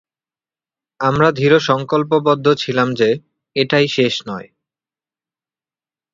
আমরা দৃঢ়সংকল্পবদ্ধ ছিলাম যে, এটাই শেষ নয়।